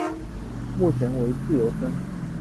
目前为自由身。